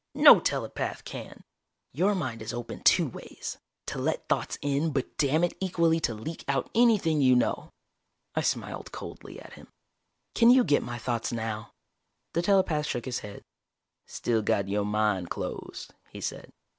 No telepath can. Your mind is open two ways to let thoughts in but, damn it, equally to leak out anything you know." I smiled coldly at him. "Can you get my thoughts now?" The telepath shook his head. "Still got yo' mind closed," he said.